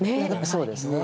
そうですね。